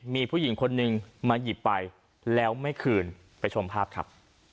มีผู้หญิงคนนึงมาหยิบไปแล้วไม่คืนไปชมภาพครับ